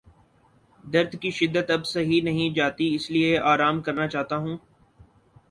درد کی شدت اب سہی نہیں جاتی اس لیے آرام کرنا چاہتا ہوں